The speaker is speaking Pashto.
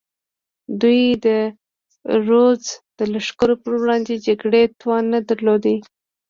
دوی د رودز د لښکرو پر وړاندې جګړې توان نه درلود.